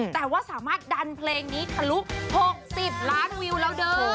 แต่ว่าสามารถดันเพลงนี้ทะลุ๖๐ล้านวิวแล้วเด้อ